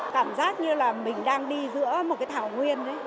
cảm giác như là mình đang đi giữa một cái thảo nguyên đấy